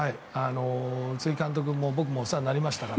宇津木監督も僕もお世話になりましたから。